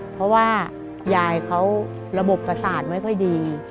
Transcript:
เพราะว่ายายเขาระบบประสาทไม่ค่อยดี